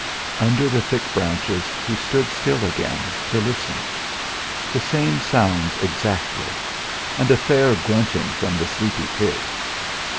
Under the thick branches he stood still again, to listen. The same sounds exactly, and a faint grunting from the sleepy pigs.